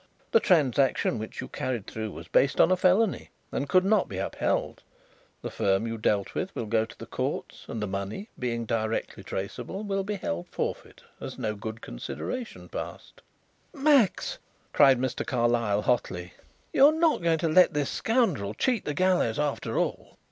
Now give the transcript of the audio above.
"The transaction which you carried through was based on a felony and could not be upheld. The firm you dealt with will go to the courts, and the money, being directly traceable, will be held forfeit as no good consideration passed." "Max!" cried Mr. Carlyle hotly, "you are not going to let this scoundrel cheat the gallows after all?"